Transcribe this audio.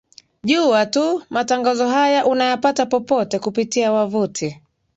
jua tu matangazo haya unayapata popote kupitia wavuti